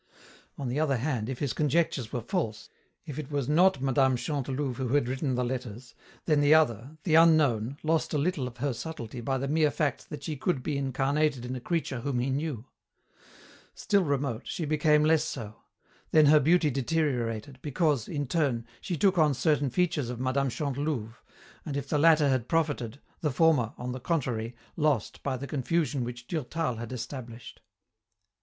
On the other hand, if his conjectures were false, if it was not Mme. Chantelouve who had written the letters, then the other, the unknown, lost a little of her subtlety by the mere fact that she could be incarnated in a creature whom he knew. Still remote, she became less so; then her beauty deteriorated, because, in turn, she took on certain features of Mme. Chantelouve, and if the latter had profited, the former, on the contrary, lost by the confusion which Durtal had established.